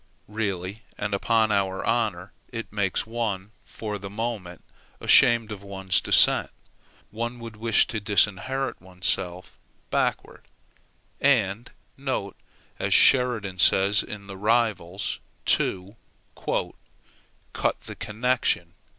Really and upon our honor, it makes one, for the moment, ashamed of one's descent; one would wish to disinherit one's self backwards, and (as Sheridan says in the Rivals) to "cut the connection."